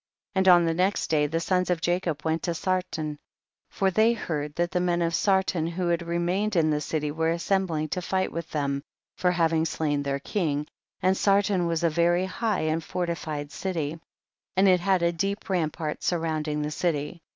19. And on the next day the sons of Jacob went to Sarton, for they heard that the men of Sarton who had remained in the city were as sembling to fight with them for hav ing slain their king, and Sarton was a very high and fortified city, and it 114 THE BOOK OF JASHER. had a deep rampart surrounding the city.